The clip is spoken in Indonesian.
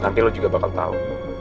nanti lo juga bakal tahu